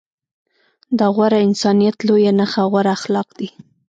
د غوره انسانيت لويه نښه غوره اخلاق دي.